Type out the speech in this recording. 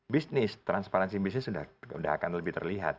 bisnis transparansi bisnis sudah akan lebih terlihat